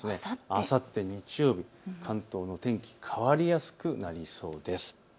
あさって日曜日、関東の天気、変わりやすくなりそうです。